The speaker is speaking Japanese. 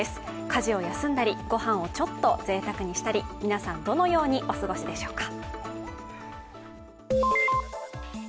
家事を休んだり、御飯をちょっとぜいたくにしたり、皆さん、どのようにお過ごしでしょうか？